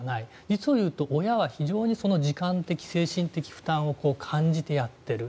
実をいうと親は非常に時間的・精神的負担を感じてやっている。